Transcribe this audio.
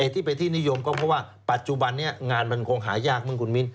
ที่เป็นที่นิยมก็เพราะว่าปัจจุบันนี้งานมันคงหายากมั้งคุณมิ้น